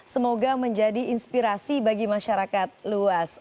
semoga menjadi inspirasi bagi masyarakat luas